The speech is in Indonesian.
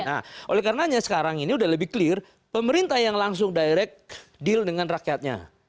nah oleh karenanya sekarang ini sudah lebih clear pemerintah yang langsung direct deal dengan rakyatnya